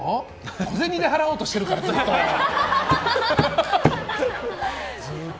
小銭で払おうとしてるからずっと。